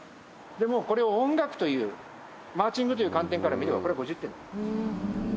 でもこれを音楽という、マーチングという観点から見れば、これは５０点です。